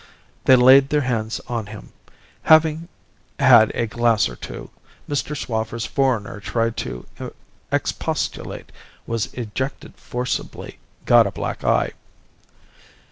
They laid their hands on him. Having had a glass or two, Mr. Swaffer's foreigner tried to expostulate: was ejected forcibly: got a black eye.